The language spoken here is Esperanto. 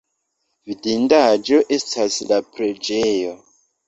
Vidindaĵo estas la preĝejo.